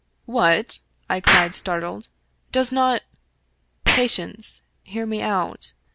" "What?" I cried, startled, "does not "" Patience. Hear me out.